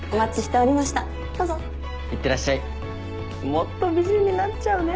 もっと美人になっちゃうね。